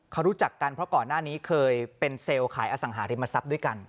เขารู้จักกันเพราะก่อนหน้านี้เคยเป็นเซลล์ขายอสังหาริมทรัพย์ด้วยกัน